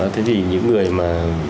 thế thì những người mà